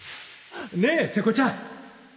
ねえ瀬古ちゃん？